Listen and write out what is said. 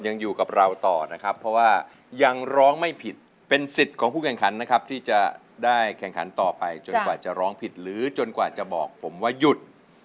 ยังอยู่กับเราต่อนะครับเพราะว่ายังร้องไม่ผิดเป็นสิทธิ์ของผู้แข่งขันนะครับที่จะได้แข่งขันต่อไปจนกว่าจะร้องผิดหรือจนกว่าจะบอกผมว่าหยุด